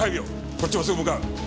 こっちもすぐ向かう！